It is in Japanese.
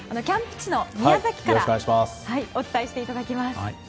キャンプ地の宮崎からお伝えしていただきます。